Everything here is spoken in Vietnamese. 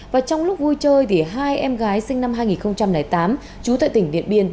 và trong lúc vui chơi hai em gái sinh năm hai nghìn tám trú tại tỉnh điện biên